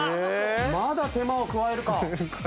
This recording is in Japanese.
まだ手間を加えるか？